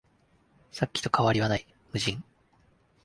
さっきと変わりはない、無人